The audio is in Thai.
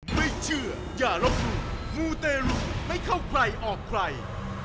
ไม่เชื่ออย่าลบหลู่มูเตรุไม่เข้าใครออกใคร